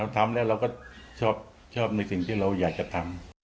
ทำแล้วเราก็ชอบในสิ่งที่เราอยากจะทำ